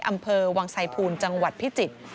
อำเภอวังไซภูมิจังหวัดพิจิตร